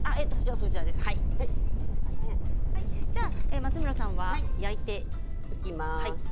松村さんには焼いていただきます。